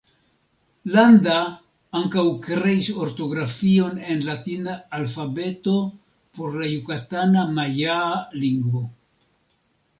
Landa ankaŭ kreis ortografion en latina alfabeto por la jukatana majaa lingvo.